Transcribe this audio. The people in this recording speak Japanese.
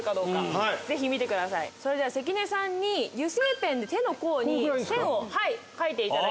それでは関根さんに油性ペンで手の甲に線をかいていただきます。